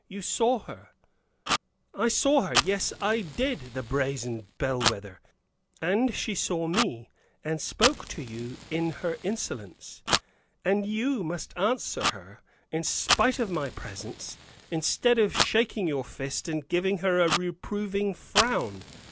You saw her." "I saw her? Yes, I did see her, the brazen bellwether! And she saw me, and spoke to you in her insolence. And you must answer her, in spite of my presence, instead of shaking your fist and giving her a reproving frown.